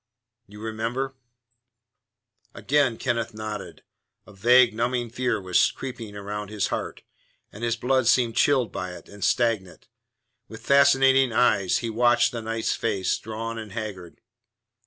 You remember?" Again Kenneth nodded. A vague, numbing fear was creeping round his heart, and his blood seemed chilled by it and stagnant. With fascinated eyes he watched the knight's face drawn and haggard.